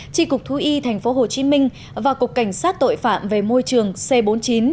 tri cục thú y tp hcm và cục cảnh sát tội phạm về môi trường c bốn mươi chín